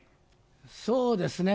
そうですね。